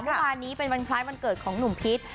เนี้ยวันนี้เป็นวันเคล้าวันเกิดของหนุ่มพีช